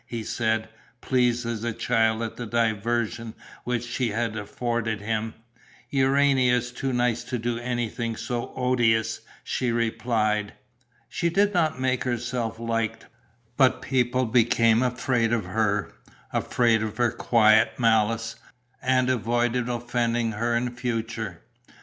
he said, pleased as a child at the diversion which she had afforded him. "Urania is too nice to do anything so odious," she replied. She did not make herself liked, but people became afraid of her, afraid of her quiet malice, and avoided offending her in future.